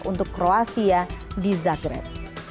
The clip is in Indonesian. untuk kroasia di zagreb